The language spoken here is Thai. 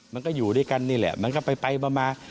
มันก็อยู่ด้วยกันนี่แหละมันก็ไปมา